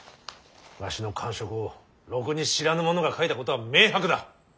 わしの官職をろくに知らぬ者が書いたことは明白だ。